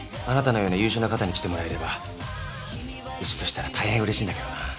あなたのような優秀な方に来てもらえればうちとしたら大変うれしいんだけどな。